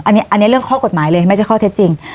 อันนี้เรื่องข้อกฎหมายเลยไม่ใช่ข้อเท็จจริง